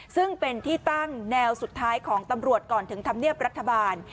ซึ่งเป็นที่ตั้งแนวสุดท้ายของตำรวจก่อนถึงธรรมเนียบรัฐบาล